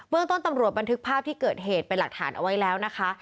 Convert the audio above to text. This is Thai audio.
เรื่องต้นตำรวจบันทึกภาพที่เกิดเหตุเป็นหลักฐานเอาไว้แล้วนะคะ